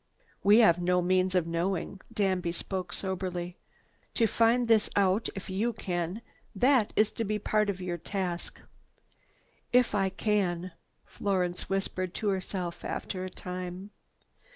"We have no means of knowing." Danby spoke soberly. "To find this out if you can, this is to be part of your task." "If I can," Florence whispered to herself, after a time.